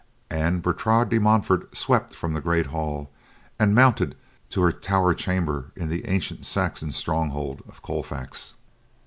And Bertrade de Montfort swept from the great hall, and mounted to her tower chamber in the ancient Saxon stronghold of Colfax.